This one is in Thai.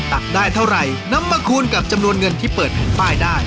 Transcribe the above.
ตักได้เท่าไหร่นำมาคูณกับจำนวนเงินที่เปิดแผ่นป้ายได้